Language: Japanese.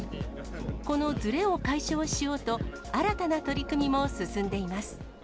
このずれを解消しようと、新たな取り組みも進んでいます。